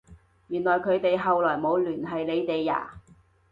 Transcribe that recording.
原來佢哋後來冇聯絡你哋呀？